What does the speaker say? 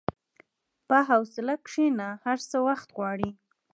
په حوصله کښېنه، هر څه وخت غواړي.